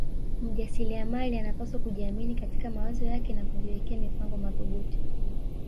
Mjasiliamali anapaswa kujiamini katika mawazo yake na kujiwekea mipango mathubuti